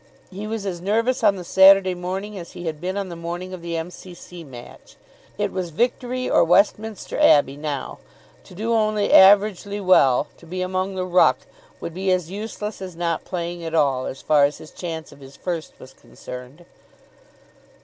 He was as nervous on the Saturday morning as he had been on the morning of the M.C.C. match. It was Victory or Westminster Abbey now. To do only averagely well, to be among the ruck, would be as useless as not playing at all, as far as his chance of his first was concerned.